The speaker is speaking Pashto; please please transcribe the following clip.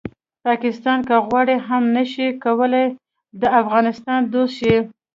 پاکستان که وغواړي هم نه شي کولی د افغانستان دوست شي